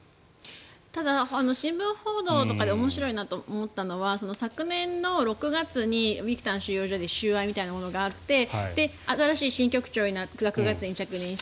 ただ、新聞報道とかで面白いなと思ったのは昨年の６月にビクタン収容所で収賄みたいなものがあって新しい新局長が６月に着任して